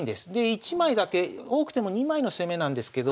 １枚だけ多くても２枚の攻めなんですけど